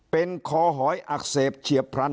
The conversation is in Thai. เป็นคอหอยอักเสบเฉียบพลัน